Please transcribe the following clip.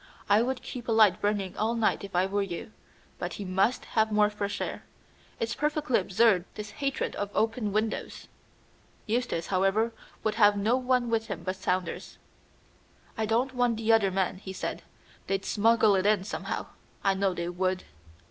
I would keep a light burning all night if I were you. But he must have more fresh air. It's perfectly absurd this hatred of open windows." Eustace, however, would have no one with him but Saunders. "I don't want the other men," he said. "They'd smuggle it in somehow. I know they would."